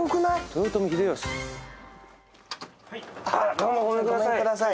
どうもごめんください。